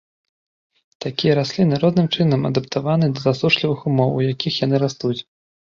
Такія расліны розным чынам адаптаваныя да засушлівых умоў, у якіх яны растуць.